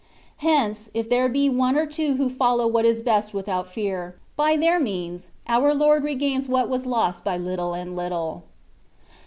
Hence, if there be one or two who follow what is best without fear, by their means our Lord regains what was lost by little and little.